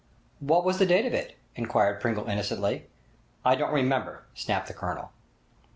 'What was the date of it?' inquired Pringle innocently. 'I don't remember!' snapped the Colonel.